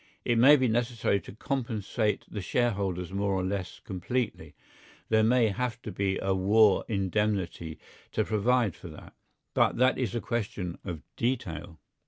It may be necessary to compensate the shareholders more or less completely; there may have to be a war indemnity to provide for that, but that is a question of detail.